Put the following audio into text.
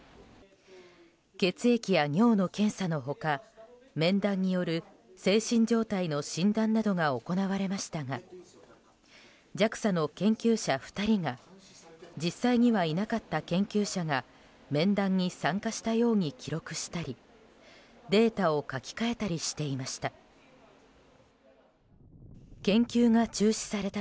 血液や尿の検査の他面談による精神状態の診断などが行われましたがＪＡＸＡの研究者２人が実際にはいなかった研究者が面談に参加したように記録したりデータを書き換えたりしていました。